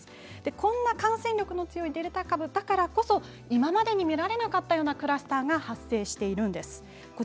こんな感染力の強いデルタ株だからこそ今までに見られなかったクラスターが発生しているんです。